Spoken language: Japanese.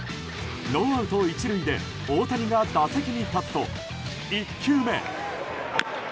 ノーアウト１塁で大谷が打席に立つと１球目。